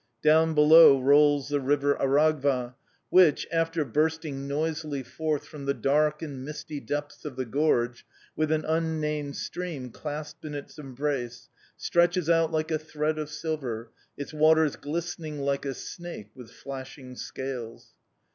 Down below rolls the River Aragva, which, after bursting noisily forth from the dark and misty depths of the gorge, with an unnamed stream clasped in its embrace, stretches out like a thread of silver, its waters glistening like a snake with flashing scales.